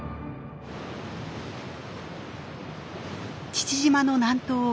父島の南東沖